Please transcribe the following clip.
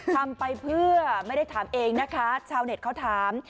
ทำไปเพื่อไม่ได้ถามเองนะคะชาวเน็ตเขาถาม